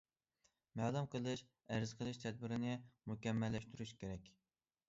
مەلۇم قىلىش، ئەرز قىلىش تەدبىرىنى مۇكەممەللەشتۈرۈش كېرەك.